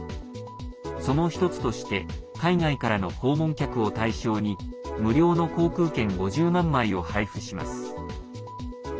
その一つとして海外からの訪問客を対象に無料の航空券５０万枚を配布します。